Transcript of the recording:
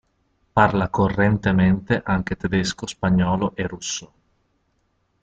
Parla correntemente anche tedesco, spagnolo e russo.